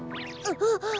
あっ。